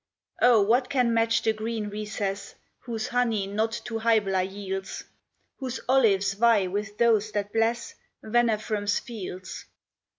O, what can match the green recess, Whose honey not to Hybla yields, Whose olives vie with those that bless Venafrum's fields?